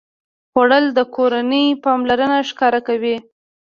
خوړل د کورنۍ پاملرنه ښکاره کوي